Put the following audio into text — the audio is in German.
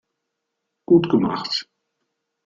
Gut gemacht.